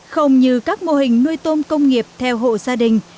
không như các mô hình nuôi tôm công nghiệp theo hộ gia đình